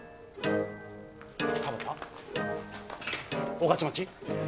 御徒町？